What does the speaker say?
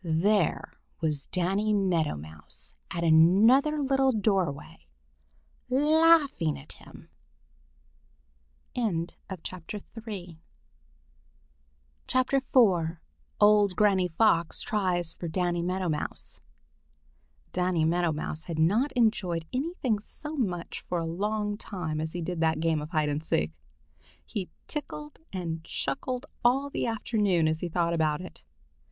There was Danny Meadow Mouse at another little doorway laughing at him! IV OLD GRANNY FOX TRIES FOR DANNY MEADOW MOUSE DANNY MEADOW MOUSE had not enjoyed anything so much for a long time as he did that game of hide and seek. He tickled and chuckled all the afternoon as he thought about it.